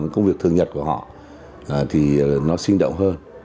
công việc thường nhật của họ thì nó sinh động hơn